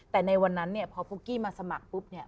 แต่ในวันนั้นเนี่ยพอปุ๊กกี้มาสมัครปุ๊บเนี่ย